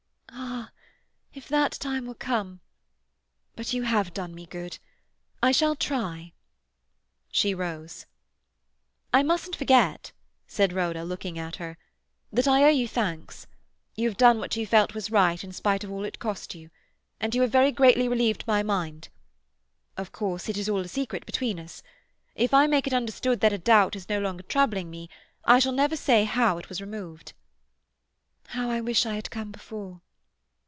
"Ah, if that time were come! But you have done me good. I shall try—" She rose. "I mustn't forget," said Rhoda, without looking at her, "that I owe you thanks. You have done what you felt was right in spite of all it cost you; and you have very greatly relieved my mind. Of course it is all a secret between us. If I make it understood that a doubt is no longer troubling me I shall never say how it was removed." "How I wish I had come before."